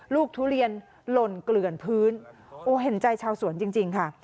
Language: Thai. ทุเรียนหล่นเกลื่อนพื้นโอ้เห็นใจชาวสวนจริงค่ะ